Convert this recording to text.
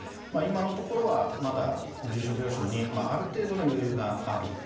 今のところはまだ重症病床にある程度の余裕がある。